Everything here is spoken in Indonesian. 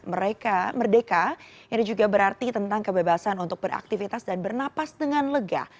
mereka merdeka ini juga berarti tentang kebebasan untuk beraktivitas dan bernapas dengan lega